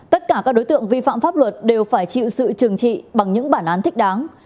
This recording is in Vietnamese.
tất cả các đối tượng vi phạm pháp luật đều phải chịu sự trừng trị bằng những bản án thích đáng